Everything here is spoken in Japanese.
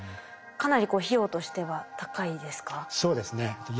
かなり費用としては高いですか？